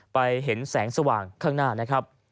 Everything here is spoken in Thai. ไปเห็นแสงสว่างข้างหน้านะครับ